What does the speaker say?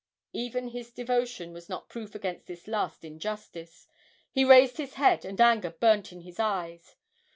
Even his devotion was not proof against this last injustice; he raised his head, and anger burnt in his eyes.